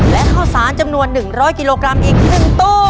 และข้าวสารจำนวน๑๐๐กิโลกรัมอีก๑ตู้